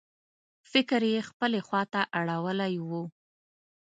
فکر یې خپلې خواته اړولی و.